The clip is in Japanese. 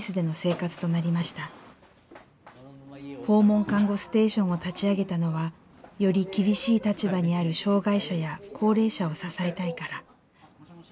訪問看護ステーションを立ち上げたのはより厳しい立場にある障害者や高齢者を支えたいから。